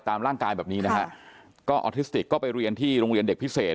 ตามร่างกายแบบนี้นะฮะก็ออทิสติกก็ไปเรียนที่โรงเรียนเด็กพิเศษ